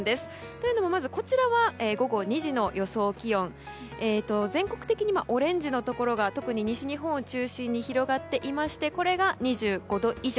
というのも、こちらは午後２時の予想気温、全国的にもオレンジのところが特に西日本を中心に広がっていましてこれが２５度以上。